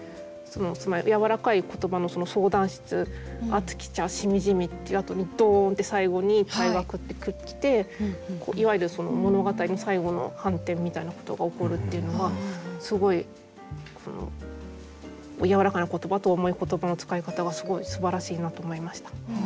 やわらかい言葉の「相談室」「熱き茶」「しみじみ」っていうあとにドーンって最後に「退学」って来ていわゆるその物語の最後の反転みたいなことが起こるっていうのがすごいその「やわらかな言葉」と「重い言葉」の使い方がすごいすばらしいなと思いました。